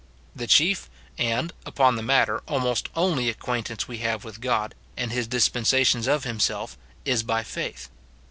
The chief, and, upon the matter, almost only acquaint ance we have with God, and his dispensations of him self, is by faith.